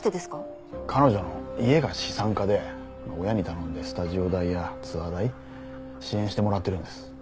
彼女の家が資産家で親に頼んでスタジオ代やツアー代支援してもらってるんです。